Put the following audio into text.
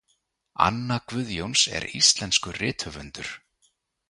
Anna Guðjóns er íslenskur rithöfundur.